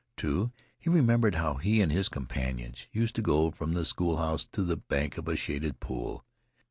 Too, he remembered how he and his companions used to go from the schoolhouse to the bank of a shaded pool.